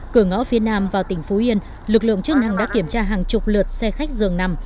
cửa ngõ phía nam vào tỉnh phú yên lực lượng chức năng đã kiểm tra hàng chục lượt xe khách dường nằm